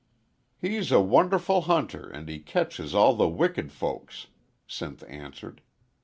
"He's a wonderful hunter an' he ketches all the wicked folks," Sinth answered.